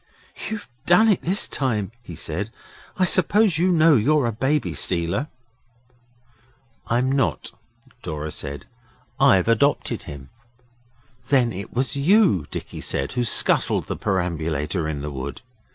'You've done it this time,' he said. 'I suppose you know you're a baby stealer?' 'I'm not,' Dora said. 'I've adopted him.' 'Then it was you,' Dicky said, 'who scuttled the perambulator in the wood?